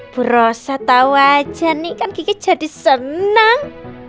berasa tawa aja nih kan kiki jadi senang